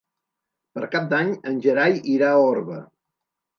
Per Cap d'Any en Gerai irà a Orba.